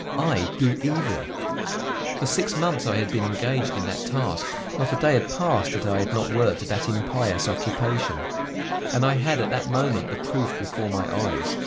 I, do evil! For six months I had been engaged in that task, not a day had passed that I had not worked at that impious occupation, and I had at that moment the proof before my eyes.